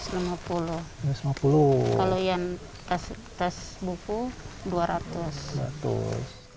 kalau yang tas buku dua ratus